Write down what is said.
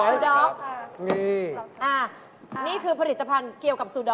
อ้าวแล้ว๓อย่างนี้แบบไหนราคาถูกที่สุด